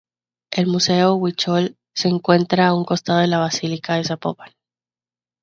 El Museo Huichol se encuentra a un costado de la Basílica de Zapopan.